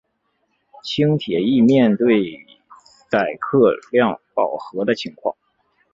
轻铁亦面对载客量饱和的情况。